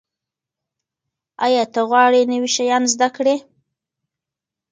ایا ته غواړې نوي شیان زده کړې؟